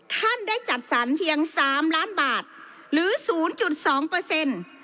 ท่านได้จัดสรรเพียงสามล้านบาทหรือศูนย์จุดสองเปอร์เซ็นต์